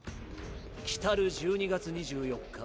来る１２月２４日